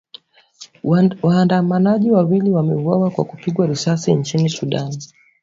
Waandamanaji wawili wameuawa kwa kupigwa risasi nchini Sudan.